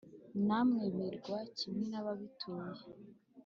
namwe birwa kimwe n’ababituye.